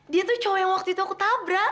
dia tuh cowok waktu itu aku tabrak